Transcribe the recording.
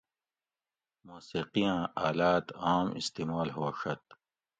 موسیقیاۤں آلات عام استعمال ہوڛۤت